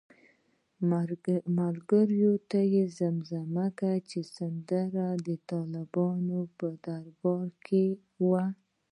ملګرو ته یې زمزمه کړه چې سندره د طالبانو په باره کې وه.